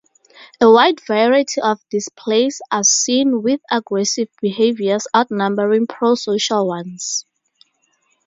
A wide variety of displays are seen, with aggressive behaviours outnumbering pro-social ones.